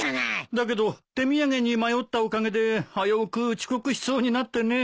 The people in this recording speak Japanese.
だけど手土産に迷ったおかげで危うく遅刻しそうになってね。